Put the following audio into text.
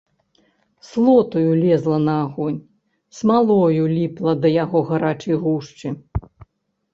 Слотаю лезла на агонь, смалою ліпла да яго гарачай гушчы.